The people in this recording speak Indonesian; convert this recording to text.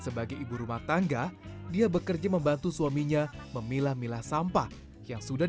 sebagai ibu rumah tangga dia bekerja membantu suaminya memilah milah sampah yang sudah